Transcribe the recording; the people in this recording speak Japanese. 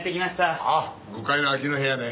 ああ５階の空きの部屋ね。